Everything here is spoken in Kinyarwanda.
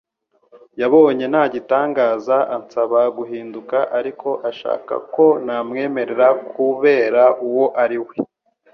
Yabonye nta gitangaza ansaba guhinduka ariko ashaka ko namwemera kubera uwo ari we.